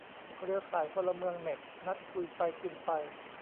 เครือข่ายพลเมืองเน็ต นัดคุยไปกินไป